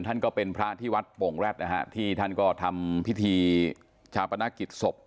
ท่านก็เป็นพระที่วัดโป่งแร็ดนะฮะที่ท่านก็ทำพิธีชาปนกิจศพ